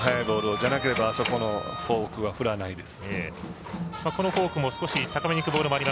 じゃなければあそこのフォークは振らないです。